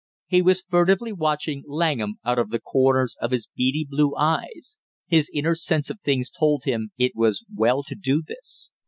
He was furtively watching Langham out of the corners of his beady blue eyes; his inner sense of things told him it was well to do this.